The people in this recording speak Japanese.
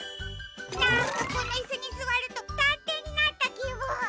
なんかこのイスにすわるとたんていになったきぶん。